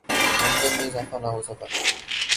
امدن میں اضافہ نہ ہوسکا